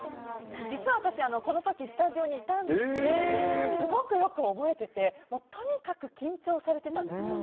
実は私、この時スタジオにいたんですけどすごく良く覚えていてとにかく緊張されてたんですよ。